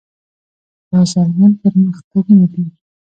دا څرګند پرمختګونه دي.